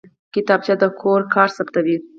کتابچه د کور کار ثبتوي